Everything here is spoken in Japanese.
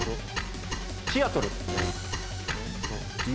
シアトル。